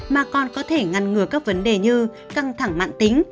mà còn có thể ngăn ngừa các vấn đề như căng thẳng mạng tính